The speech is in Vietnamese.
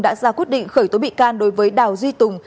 đã ra quyết định khởi tố bị can đối với đào duy tùng